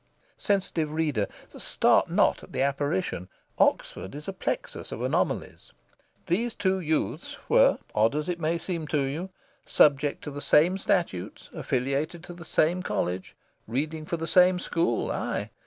Sensitive reader, start not at the apparition! Oxford is a plexus of anomalies. These two youths were (odd as it may seem to you) subject to the same Statutes, affiliated to the same College, reading for the same School; aye!